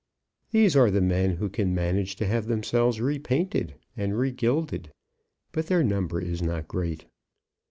These are the men who can manage to have themselves repainted and regilded; but their number is not great.